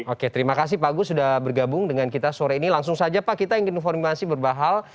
oke terima kasih pak agus sudah bergabung dengan kita sore ini langsung saja pak kita ingin informasi berbahal